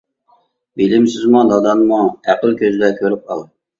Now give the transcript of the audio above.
بىلىمسىزمۇ نادانمۇ، ئەقىل كۆزدە كۆرۈپ ئال.